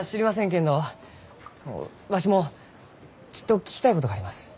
けんどわしもちっと聞きたいことがあります。